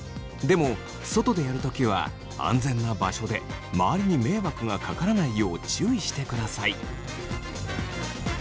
でも外でやる時は安全な場所で周りに迷惑がかからないよう注意してください。